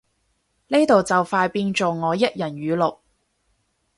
呢度就快變做我一人語錄